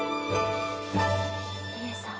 里恵さん。